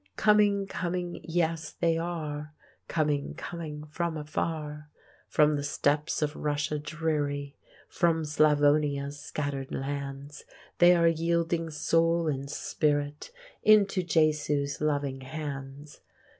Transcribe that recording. Coming, coming, yes, they are, Coming, coming, from afar; From the Steppes of Russia dreary, From Slavonia's scatter'd lands, They are yielding soul and spirit Into Jesu's loving hands.